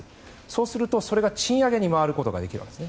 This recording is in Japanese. そうすると、それが賃上げに回ることができます。